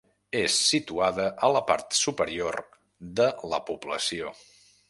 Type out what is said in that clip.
És situada a la part superior de la població.